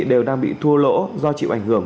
đều đang bị thua lỗ do chịu ảnh hưởng